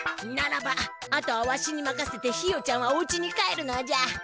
ならばあとはわしにまかせてひよちゃんはおうちに帰るのじゃ。